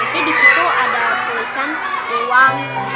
jadi di situ ada tulisan ruang guru